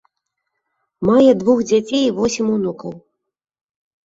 Мае двух дзяцей і восем унукаў.